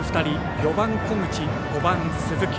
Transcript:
４番、小口、５番、鈴木。